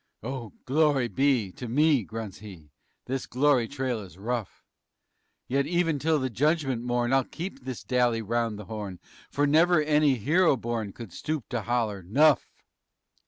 "Oh, glory be to me" grunts he. "This glory trail is rough, Yet even till the Judgment Morn I'll keep this dally 'round the horn, For never any hero born _Could stoop to holler: Nuff!